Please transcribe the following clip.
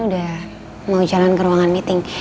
udah mau jalan ke ruangan meeting